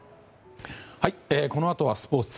このあとはスポーツ。